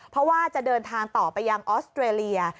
เพราะว่าจะเดินทางต่อไปยังออสเตรเลีย